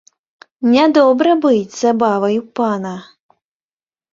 Нядобра быць забавай у пана.